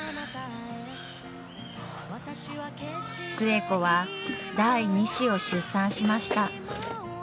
・寿恵子は第２子を出産しました。